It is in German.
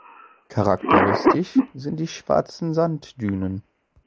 Charakteristisch sind die schwarzen Sanddünen.